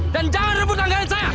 dan jangan rebut anggaran saya